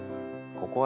ここは。